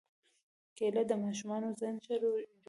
کېله د ماشومانو ذهن ښه جوړوي.